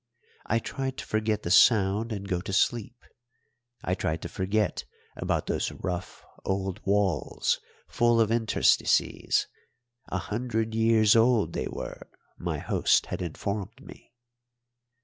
I tried to forget the sound and go to sleep. I tried to forget about those rough old walls full of interstices a hundred years old they were, my host had informed me.